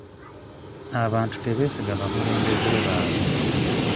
Abantu tebeesiga bakulembeze baabwe.